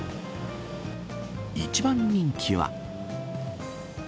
一番人気は。